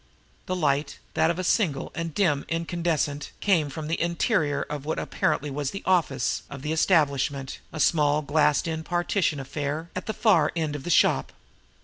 The light, that of a single and dim incandescent, came from the interior of what was apparently the "office" of the establishment, a small, glassed in partition affair, at the far end of the shop.